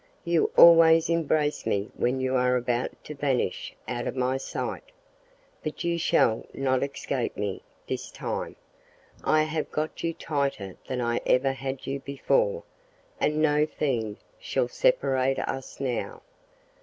"You always embrace me when you are about to vanish out of my sight. But you shall not escape me this time. I have got you tighter than I ever had you before, and no fiend shall separate us now.